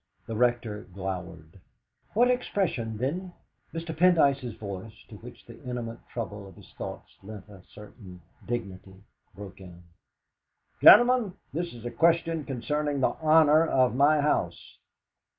The Rector glowered. "What expression then " Mr. Pendyce's voice, to which the intimate trouble of his thoughts lent a certain dignity, broke in: "Gentlemen, this is a question concerning the honour of my house."